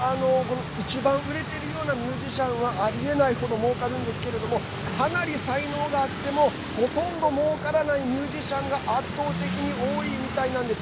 一番売れてるようなミュージシャンはありえない程もうかるんですけどかなり才能があってもほとんど、もうからないミュージシャンが圧倒的に多いみたいなんです。